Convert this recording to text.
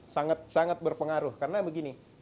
sangat sangat berpengaruh karena begini